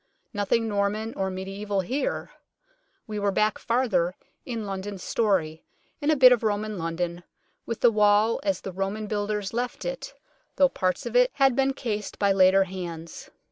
Nothing Norman or mediaeval here. We were back farther in London's story, in a bit of Roman London, with the wall as the Roman builders left it, though parts of it had been cased by later hands.